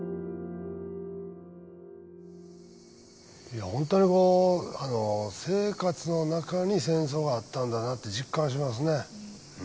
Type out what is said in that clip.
いや本当にこう生活の中に戦争があったんだなって実感しますね。